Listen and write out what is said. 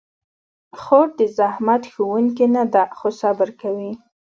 خور د زحمت خوښونکې نه ده، خو صبر کوي.